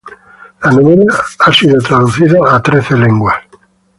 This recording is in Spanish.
La novela ha sido traducida a trece lenguas.